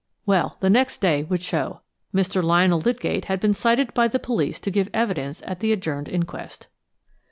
Well, the next day would show. Mr. Lionel Lydgate had been cited by the police to give evidence at the adjourned inquest.